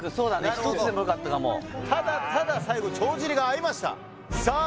１つでもよかったかもただただ最後帳尻が合いましたさあ